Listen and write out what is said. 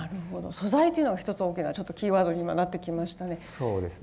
素材というのが一つ大きなちょっとキーワードに今なってきましたね。